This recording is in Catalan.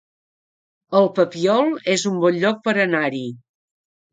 El Papiol es un bon lloc per anar-hi